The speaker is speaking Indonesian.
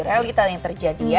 realita yang terjadi ya